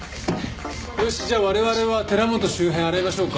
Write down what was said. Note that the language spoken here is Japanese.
よしじゃあ我々は寺本周辺洗いましょうか。